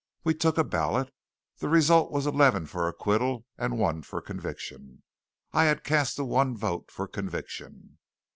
We took a ballot. The result was eleven for acquittal and one for conviction. I had cast the one vote for conviction.